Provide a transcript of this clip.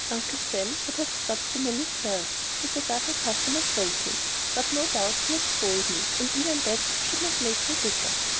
Uncle Sam would have stopped the mill itself, with a dozen customers waiting; but no doubt he had spoiled me; and even that should not make me bitter.